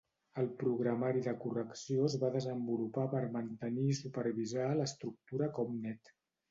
El programari de correcció es va desenvolupar per mantenir i supervisar l'estructura ComNet.